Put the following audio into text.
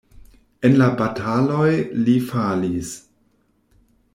En la bataloj li falis.